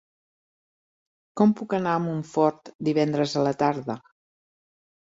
Com puc anar a Montfort divendres a la tarda?